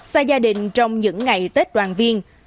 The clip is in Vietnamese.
xa gia đình trong những ngày tết đoàn viên